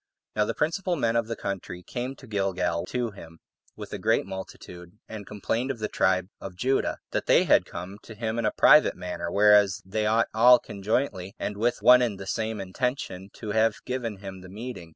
5. Now the principal men of the country came to Gilgal to him with a great multitude, and complained of the tribe of Judah, that they had come to him in a private manner; whereas they ought all conjointly, and with one and the same intention, to have given him the meeting.